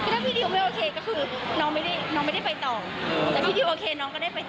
ถ้าพี่ดิวไม่โอเคก็คือน้องไม่ได้น้องไม่ได้ไปต่อแต่พี่ดิวโอเคน้องก็ได้ไป